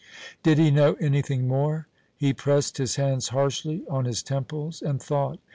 Did he know anything more? He pressed his hands harshly on his temples and thought.